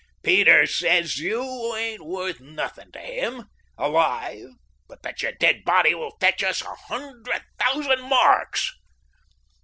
"Peter says you ain't worth nothing to him—alive, but that your dead body will fetch us a hundred thousand marks."